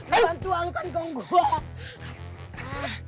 bantu alukan dong gue